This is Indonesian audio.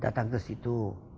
datang ke situ